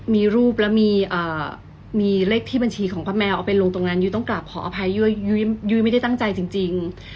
มีรูปแล้วมีเลขที่บัญชีของป้าแมวเอาไปลงตรงนั้นยุ้ยต้องกลับขออภัยยุ้ยไม่ได้ตั้งใจจริง